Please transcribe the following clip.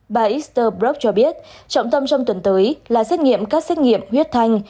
bà esther brock cho biết trọng tâm trong tuần tới là xét nghiệm các xét nghiệm huyết thanh